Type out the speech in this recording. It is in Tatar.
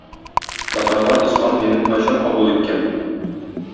Татарлар ислам динен кайчан кабул иткән?